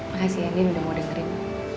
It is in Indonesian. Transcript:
makasih ya dia udah mau dengerin